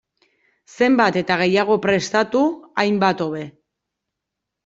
Zenbat eta gehiago prestatu, hainbat hobe.